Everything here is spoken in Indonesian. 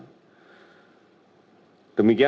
demikian saya ingin mengucapkan